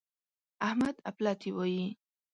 احمد اپلاتي وايي.